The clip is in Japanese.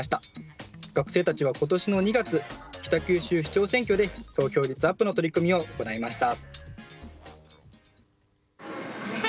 学生たちは今年の２月北九州市長選挙で投票率アップの取り組みを行いました。